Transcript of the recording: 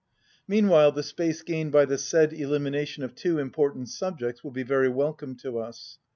Meanwhile the space gained by the said elimination of two important subjects will be very welcome to us.